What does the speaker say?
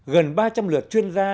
gần ba trăm linh lượt chuyên gia